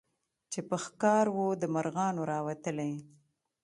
چي په ښکار وو د مرغانو راوتلی